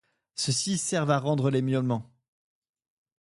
Ceux-ci servent à rendre les miaulements.